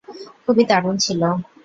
খুবই দারুণ ছিল।